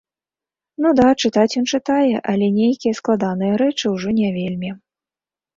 Ну да, чытаць ён чытае, але нейкія складаныя рэчы ўжо не вельмі.